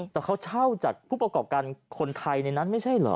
แต่เขาเช่าจากผู้ประกอบการคนไทยในนั้นไม่ใช่เหรอ